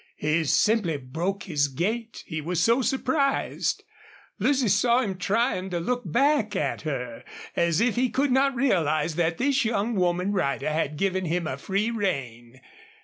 He simply broke his gait, he was so surprised. Lucy saw him trying to look back at her, as if he could not realize that this young woman rider had given him a free rein.